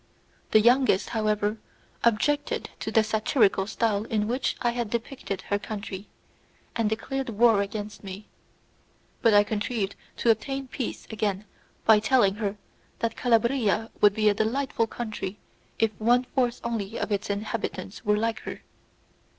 The youngest, however, objected to the satirical style in which I had depicted her country, and declared war against me; but I contrived to obtain peace again by telling her that Calabria would be a delightful country if one fourth only of its inhabitants were like her.